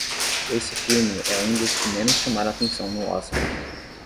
Esse filme é um dos que menos chamaram a atenção no Oscar.